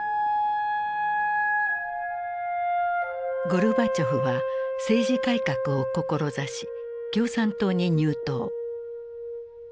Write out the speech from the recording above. ゴルバチョフは政治改革を志し共産党に入党。